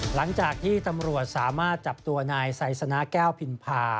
หลังจากที่ตำรวจสามารถจับตัวนายไซสนะแก้วพิมพา